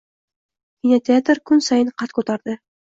Kinoteatr kun sayin qad ko‘tardi.